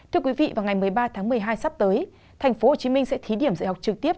thưa quý vị vào ngày một mươi ba tháng một mươi hai sắp tới thành phố hồ chí minh sẽ thí điểm dạy học trực tiếp